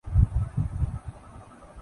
تاریخ ویسے تو بہت طویل ہے